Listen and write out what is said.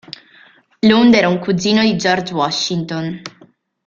Lund era un cugino di George Washington.